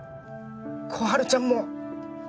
心春ちゃんも